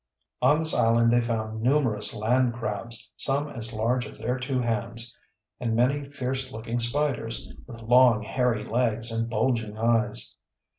On this island they found numerous land crabs, some as large as their two hands, and many fierce looking spiders, with long, hairy legs and bulging eyes.